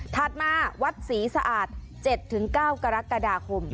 ถัดมาวัดศรีสะอาด๗๙กรกฎาคม